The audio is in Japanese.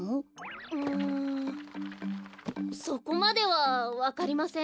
うんそこまではわかりません。